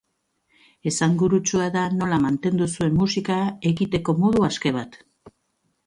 Esanguratsua da nola mantendu zuen musika egiteko modu aske bat.